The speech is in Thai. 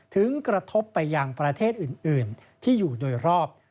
กระทบไปยังประเทศอื่นที่อยู่โดยรอบ